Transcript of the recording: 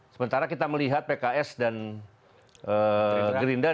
sementara kita melihat pks dan gerindra